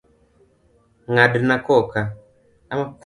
Ng'adnan koka.